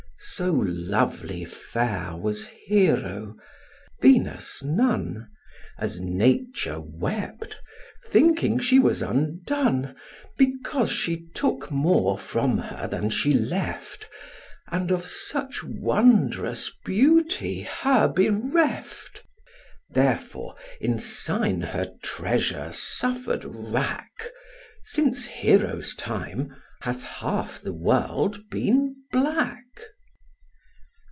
So lovely fair was Hero, Venus' nun, As Nature wept, thinking she was undone, Because she took more from her than she left, And of such wondrous beauty her bereft: Therefore, in sign her treasure suffer'd wrack, Since Hero's time hath half the world been black.